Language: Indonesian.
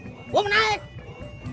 potong harga aja kak gita